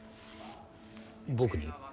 僕に？